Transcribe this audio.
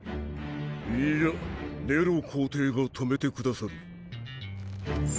いいやネロ皇帝が止めてくださる。